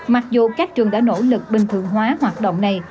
mặc dù các trường đã nỗ lực bình thường hóa hoạt động này